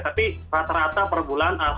tapi rata rata per bulan